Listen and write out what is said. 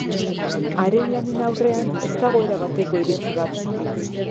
Haren lanen aurrean ez dago erabateko iritzi bat.